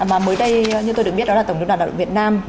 mới đây như tôi được biết đó là tổng ngân đoàn lao động việt nam